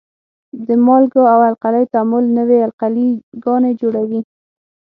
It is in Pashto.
د مالګو او القلیو تعامل نوې القلي ګانې جوړوي.